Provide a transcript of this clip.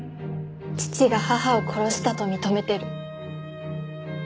父が母を殺したと認めてる。